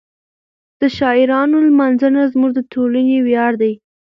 د شاعرانو لمانځنه زموږ د ټولنې ویاړ دی.